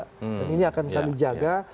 dan ini akan kami jaga